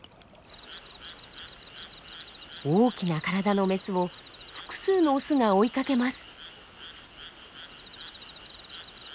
大きな体のメスを複数のオスが追いかけます。